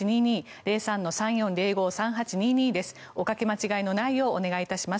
おかけ間違いのないようお願いいたします。